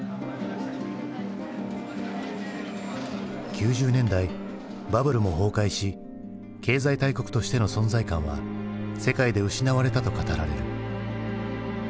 ９０年代バブルも崩壊し経済大国としての存在感は世界で失われたと語られる。